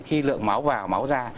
khi lượng máu vào máu ra